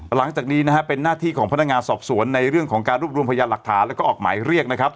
หลังจากนี้น่าที่ของพนักงานสอบสวนในเรื่องของการรูปรวมภยาหลักถาและออกหมายเรียก